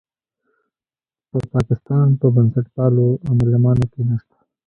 په پاکستان په بنسټپالو عالمانو کې شته.